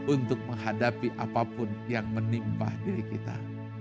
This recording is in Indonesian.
untuk menghadapi apapun yang menimpa diri kita